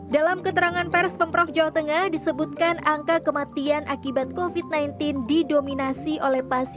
dalam keterangan pers pemprov jawa tengah disebutkan angka kematian akibat covid sembilan belas didominasi oleh pasien